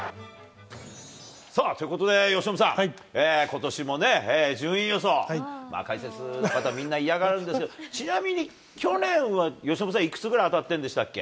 さあ、ということで、由伸さん、ことしも順位予想、解説、またみんな嫌がるんですけど、ちなみに去年は由伸さん、いくつぐらい当たってるんでしたっけ？